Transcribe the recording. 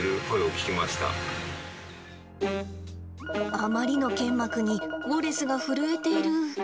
あまりの剣幕にウォレスが震えている。